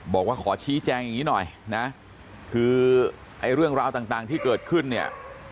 บอกว่าขอชี้แจงอย่างนี้หน่อยนะคือไอ้เรื่องราวต่างที่เกิดขึ้นเนี่ย